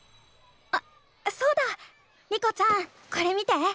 あそうだ。リコちゃんこれ見て。